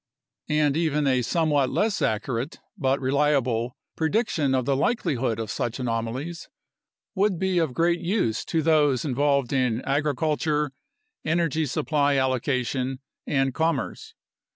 And even a somewhat less accurate (but reliable) prediction of the likelihood of such anomalies would be of great use to those involved in agriculture, energy supply allocation, and commerce.